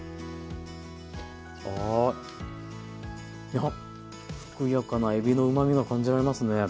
やっふくよかなえびのうまみが感じられますね。